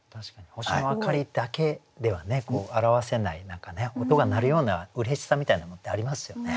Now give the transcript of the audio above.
星の明かりだけでは表せない何か音が鳴るようなうれしさみたいなものってありますよね。